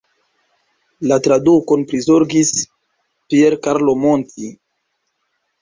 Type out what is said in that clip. La tradukon prizorgis Pier Carlo Monti.